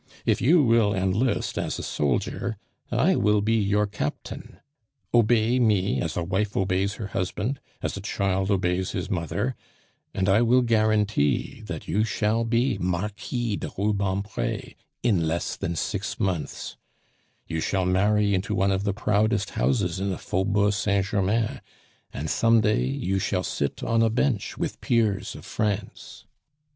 If you will enlist as a soldier, I will be your captain. Obey me as a wife obeys her husband, as a child obeys his mother, and I will guarantee that you shall be Marquis de Rubempre in less than six months; you shall marry into one of the proudest houses in the Faubourg Saint Germain, and some day you shall sit on a bench with peers of France.